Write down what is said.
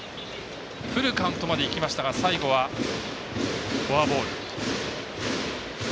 フルカウントまでいきましたが最後はフォアボール。